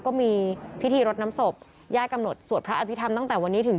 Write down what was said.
ก็มีพิธีรดน้ำศพญาติกำหนดสวดพระอภิษฐรรมตั้งแต่วันนี้ถึง